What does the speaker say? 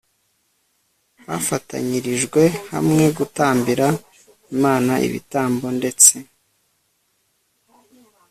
bafatanyirijwe hamwe gutambira imana ibitambo ndetse